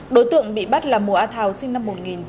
đối tượng bị bắt là mùa a thào sinh năm một nghìn chín trăm tám mươi